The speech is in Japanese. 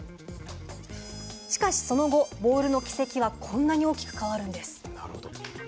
しかしその後ボールの軌跡はこんなに大きく変わるんです。